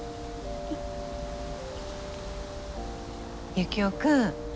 ユキオ君。